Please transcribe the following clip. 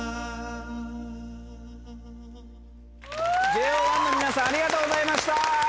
ＪＯ１の皆さんありがとうございました。